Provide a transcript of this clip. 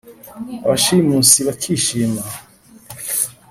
abashimusi bakishima